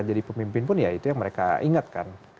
jadi pemimpin pun ya itu yang mereka ingatkan